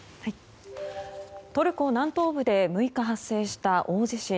トルコ南東部で６日発生した大地震。